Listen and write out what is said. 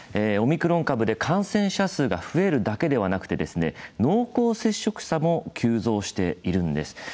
オミクロン株で感染者数が増えるだけでなくて濃厚接触者も急増しているんです。